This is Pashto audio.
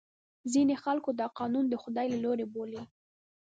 ځینې خلکو دا قانون د خدای له لورې بولي.